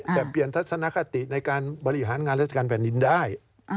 แต่เปลี่ยนทัศนคติในการบริหารงานราชการแผ่นดินได้